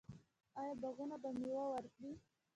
آیا باغونه به میوه ورکړي؟